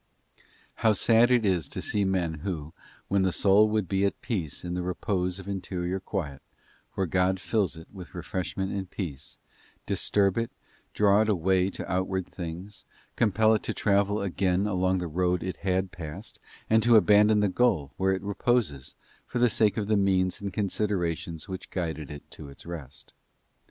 ene How sad it is to see men who, when the soul would be at eNinearge peace in the repose of interior quiet, where God fills it with Siri, | refreshment and peace, disturb it, draw it away to outward things, compel it to travel again along the road it had passed, and to abandon the goal, where it reposes, for the sake of the means and considerations which guided it to its rest.